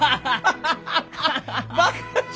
バカじゃ。